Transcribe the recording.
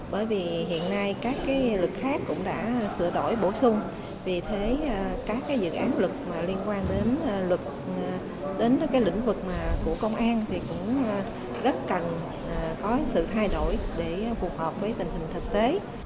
bởi vì hiện nay các luật khác cũng đã sửa đổi bổ sung vì thế các dự án luật liên quan đến luật đến lĩnh vực của công an thì cũng rất cần có sự thay đổi để phù hợp với tình hình thực tế